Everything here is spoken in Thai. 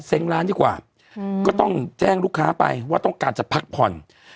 ร้านดีกว่าก็ต้องแจ้งลูกค้าไปว่าต้องการจะพักผ่อน